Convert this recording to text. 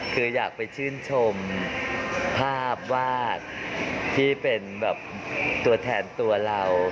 คืออยากไปชื่นชมภาพวาดที่เป็นแบบตัวแทนตัวเรา